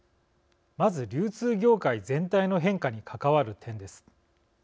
まず流通業界全体の変化に関わる点です。